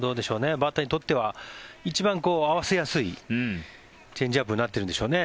バッターにとっては一番合わせやすいチェンジアップになってるんでしょうね。